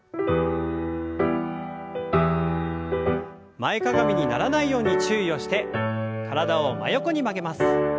前かがみにならないように注意をして体を真横に曲げます。